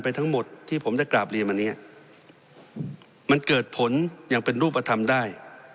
ทั้งหมดที่ผมได้กราบเรียนมาเนี้ยมันเกิดผลอย่างเป็นรูปธรรมได้